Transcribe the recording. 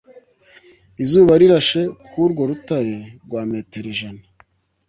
Izuba Rirashe ku urwo rutare rwa metero ijana